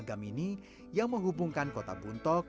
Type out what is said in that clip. termagam ini yang menghubungkan kota buntok